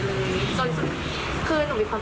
แต่ว่าตอนนี้คุณพ่อหนูเสียชีวิตแล้ว